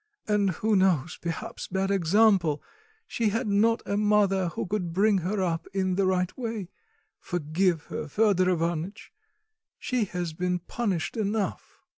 and who knows, perhaps, bad example; she had not a mother who could bring her up in the right way. Forgive her, Fedor Ivanitch, she has been punished enough."